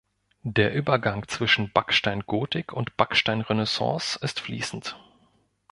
Der Übergang zwischen Backsteingotik und Backsteinrenaissance ist fließend.